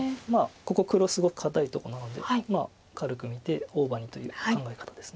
ここ黒すごく堅いとこなので軽く見て大場にという考え方です。